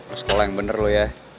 lo sekolah yang bener lo ya